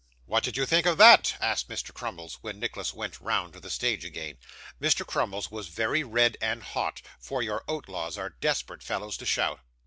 'What did you think of that?' asked Mr. Crummles, when Nicholas went round to the stage again. Mr. Crummles was very red and hot, for your outlaws are desperate fellows to shout.